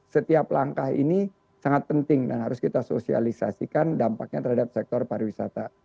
setiap langkah ini sangat penting dan harus kita sosialisasikan dampaknya terhadap sektor pariwisata